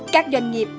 các doanh nghiệp